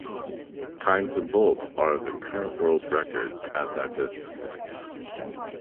Times in bold are the current world records at that distance.